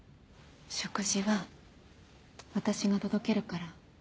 食事は私が届けるから。